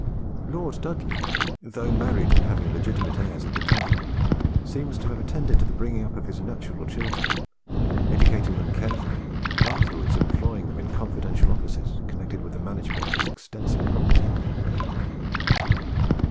Lord Dudley, though married and having legitimate heirs at the time, seems to have attended to the up bringing of his natural children; educating them carefully, and afterwards employing them in confidential offices connected with the management of his extensive property.